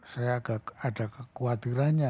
saya agak ada kekhawatirannya